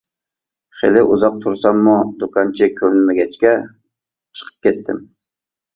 خېلى ئۇزاق تۇرساممۇ دۇكانچى كۆرۈنمىگەچكە چىقىپ كەتتىم.